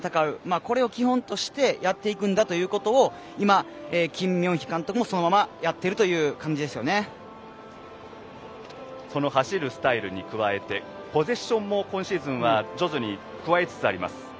これを基本としてやっていくんだということを今、キン・ミョンヒ監督もそのままやっているというその走るスタイルに加えてポゼッションも今シーズンは徐々に加えつつあります。